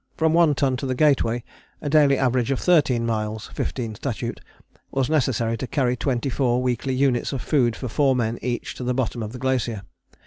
From One Ton to the Gateway a daily average of 13 miles (15 statute) was necessary to carry twenty four weekly units of food for four men each to the bottom of the glacier.